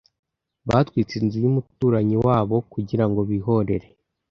Batwitse inzu y'umuturanyi wabo kugira ngo bihorere.